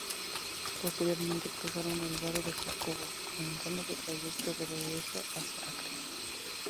Posteriormente cruzaron por el vado de Jacobo, comenzando su trayecto de regreso hacia Acre.